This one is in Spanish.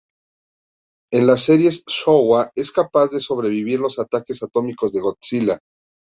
En las series Showa es capaz de sobrevivir los ataques atómicos de Godzilla.